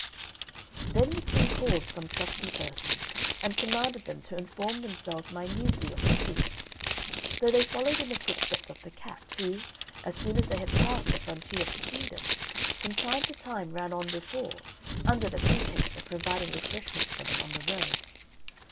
Then the King called some trusty persons, and commanded them to inform themselves minutely of the truth; so they followed in the footsteps of the cat, who, as soon as they had passed the frontier of the kingdom, from time to time ran on before, under the pretext of providing refreshments for them on the road.